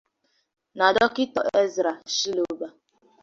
na Dọkịta Ezra Shiloba.